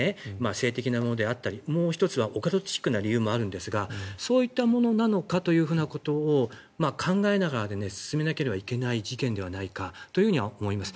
性的なものであったりもう１つはオカルトチックな理由もあるんですがそういったものなのかということを考えながら進めなければいけない事件ではないかと思います。